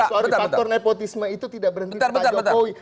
sorry faktor nepotisme itu tidak berhenti pak jokowi